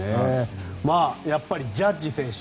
やっぱりジャッジ選手